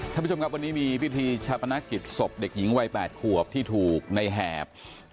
ท่านผู้ชมครับวันนี้มีพิธีชาปนกิจศพเด็กหญิงวัย๘ขวบที่ถูกในแหบ